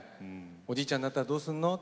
「おじいちゃんになったらどうすんの？」。